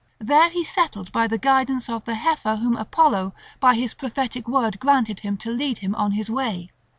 There he settled by the guidance of the heifer whom Apollo by his prophetic word granted him to lead him on his way.